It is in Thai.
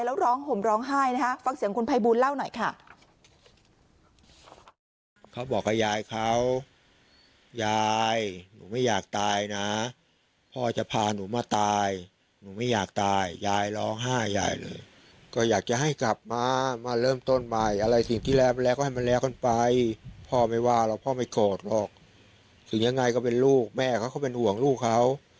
แล้วร้องห่มร้องไห้นะคะฟังเสียงคุณภัยบูลเล่าหน่อยค่ะ